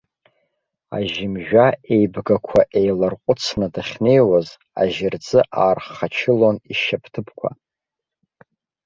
Ажьымжәа еибгақәа еиларҟәыцны дахьнеиуаз, ажьырӡы аархачылон ишьапҭыԥқәа.